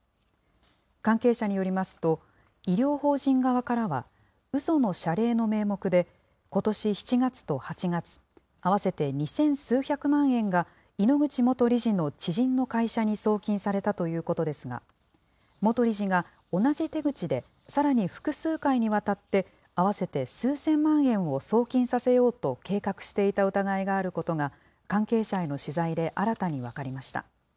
関係者によりますと、医療法人側からは、うその謝礼の名目で、ことし７月と８月、合わせて二千数百万円が、井ノ口元理事の知人の会社に送金されたということですが、元理事が同じ手口で、さらに複数回にわたって、合わせて数千万円を送金させようと計画していた疑いがあることが、関係者への取材で新たに分かりました。